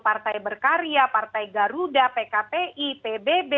partai berkarya partai garuda pks dan lain lain